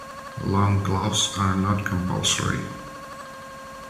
Long gloves are not compulsory.